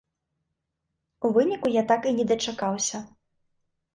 У выніку я так і не дачакаўся.